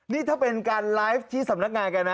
นี่ถ้าเป็นการไลฟ์ที่สำนักงานกันนะ